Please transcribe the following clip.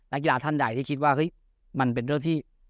กีฬาท่านใดที่คิดว่าเฮ้ยมันเป็นเรื่องที่